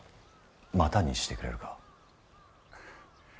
またにしてくれるか？